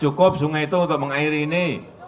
cukup sungai itu untuk mengairi ini